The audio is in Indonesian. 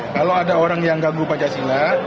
kalau ada orang yang ganggu pancasila